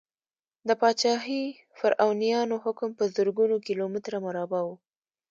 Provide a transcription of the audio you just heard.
د پاچاهي فرعونیانو حکم په زرګونو کیلو متره مربع و.